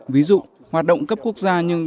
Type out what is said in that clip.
ví dụ hoạt động cấp quốc gia nhưng đồng thời